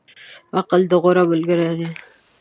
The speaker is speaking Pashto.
عقل، غوره ملګری دی.